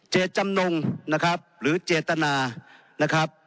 เจตจำนงนะครับหรือเจตนานะครับ